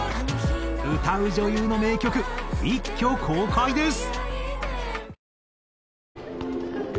歌う女優の名曲一挙公開です。